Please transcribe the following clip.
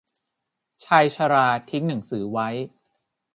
ชายชราทิ้งหนังสือไว้